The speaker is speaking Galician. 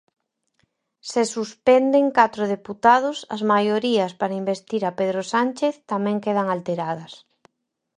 Se suspenden catro deputados, as maiorías para investir a Pedro Sánchez, tamén quedan alteradas.